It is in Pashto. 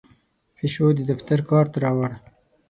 پیشو د دفتر کارت راوړ.